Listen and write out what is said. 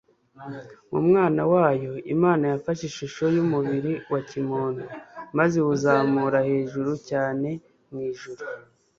Mu Mwana wayo Imana yafashe ishusho y'umubiri wa kimuntu maze iwuzamura hejuru cyane mu ijuru.